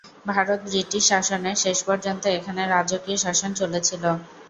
ভারতে ব্রিটিশ শাসনের শেষ পর্যন্ত এখানে রাজকীয় শাসন চলেছিল।